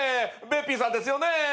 べっぴんさんですよね。